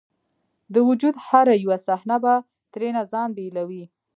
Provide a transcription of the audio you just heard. د وجود هره یوه حصه به ترېنه ځان بیلوي